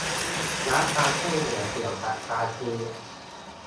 รับความช่วยเหลือเกี่ยวกับการซื้อ